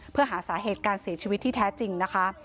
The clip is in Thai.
เพื่อหาสาเหตุการเสียชีวิตที่แท้จริงนะคะ